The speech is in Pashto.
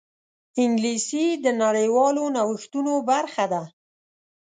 انګلیسي د نړیوالو نوښتونو برخه ده